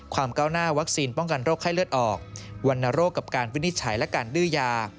ก้าวหน้าวัคซีนป้องกันโรคไข้เลือดออกวรรณโรคกับการวินิจฉัยและการดื้อยา